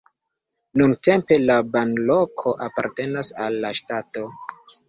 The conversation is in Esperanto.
Nuntempe la banloko apartenas al la ŝtato.